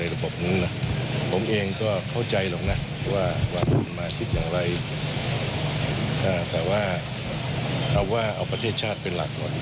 ร้อยเป็น